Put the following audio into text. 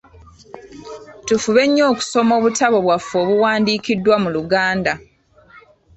Tufube nnyo okusoma obutabo bwaffe obuwandiikiddwa mu Luganda.